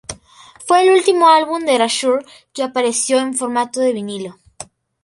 Fue el último álbum de Erasure que apareció en formato de vinilo.